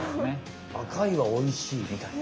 「赤いはおいしい」みたいな。